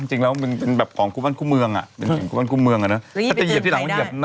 หน้านี้เขาเรื่องไอ้เธอ